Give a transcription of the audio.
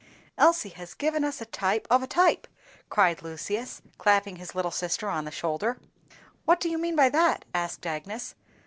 "Elsie has given us a type of a type!" cried Lucius, clapping his little sister on the shoulder. "What do you mean by that?" asked Agnes.